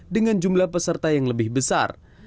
dengan jumlah peserta yang lebih besar